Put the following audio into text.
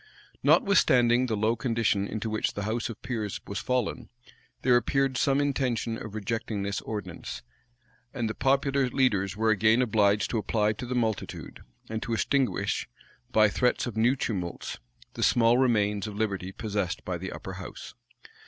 Notwithstanding the low condition into which the house of peers was fallen, there appeared some intention of rejecting this ordinance; and the popular leaders were again obliged to apply to the multitude, and to extinguish, by threats of new tumults, the small remains of liberty possessed by the upper house.